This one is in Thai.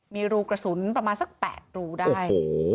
มีรูกระสุนประมาณสัก๘รูได้